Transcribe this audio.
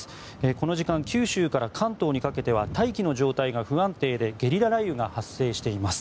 この時間九州から関東にかけては大気の状態が不安定でゲリラ雷雨が発生しています。